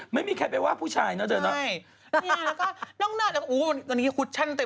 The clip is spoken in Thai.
ไม่มีใครไปหว่าผู้ชายเนอะเดินนะใช่